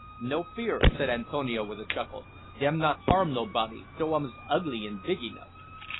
"No fear," said Antonio, with a chuckle. "Dem not harm nobody, though ums ugly an' big enough."